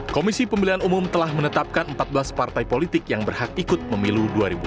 komisi pemilihan umum telah menetapkan empat belas partai politik yang berhak ikut pemilu dua ribu sembilan belas